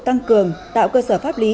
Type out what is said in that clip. tăng cường tạo cơ sở pháp lý